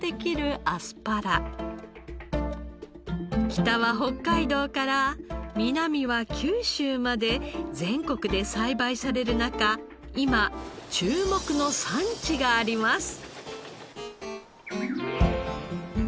北は北海道から南は九州まで全国で栽培される中今注目の産地があります。